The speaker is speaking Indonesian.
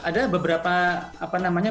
ada beberapa apa namanya